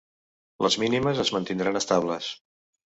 Les mínimes es mantindran estables.